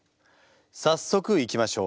早速いきましょう。